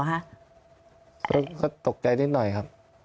ก็ตกใจนิดหน่อยครับ